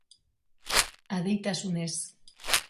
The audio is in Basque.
Adeitasunez